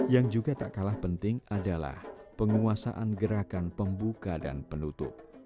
yang juga tak kalah penting adalah penguasaan gerakan pembuka dan penutup